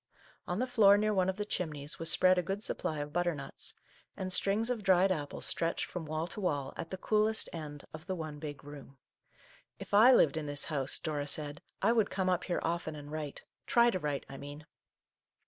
On the floor, near one of the chimneys, was spread a good supply of butternuts, and strings of dried apples stretched from wall to wall at the coolest end of the one big room. " If I lived in this house/' Dora said, " I would come up here often and write, — try to write, I mean